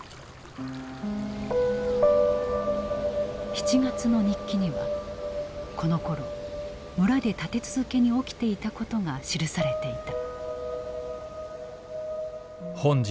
７月の日記にはこのころ村で立て続けに起きていたことが記されていた。